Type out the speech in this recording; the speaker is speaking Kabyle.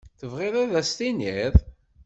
Tebɣiḍ ad as-tiniḍ?